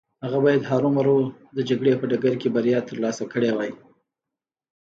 هغه بايد هرو مرو د جګړې په ډګر کې بريا ترلاسه کړې وای.